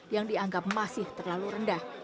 yang dianggap masih terlalu rendah